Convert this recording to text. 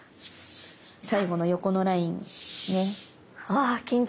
最後の横のラインですね。